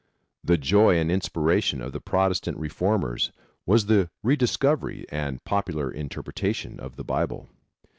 The joy and inspiration of the Protestant Reformers was the rediscovery and popular interpretation of the Bible.